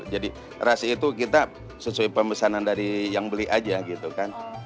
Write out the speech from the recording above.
jadi rasa itu kita sesuai pemesanan dari yang beli aja gitu kan